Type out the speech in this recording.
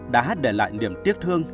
đã hát để lại niềm tiếc thương